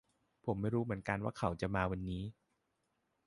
ผมไม่รู้เหมือนกันว่าเขาจะมาวันนี้